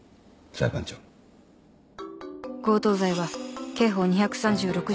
強盗罪は刑法２３６条